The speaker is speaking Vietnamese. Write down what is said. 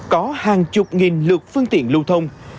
có hàng chục nghìn lượt phương tiện lưu thông